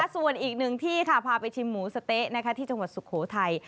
ส่วนอีกหนึ่งที่ค่ะพาไปชิมหมูสะเต๊ะที่จังหวัดสุโขทัย